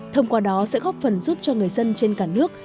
thông qua đó sẽ góp phần giúp cho người dân trên cả nước